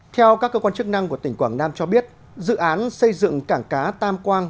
theo các cơ quan chức năng của tỉnh quảng nam cho biết dự án xây dựng cảng cá tam quang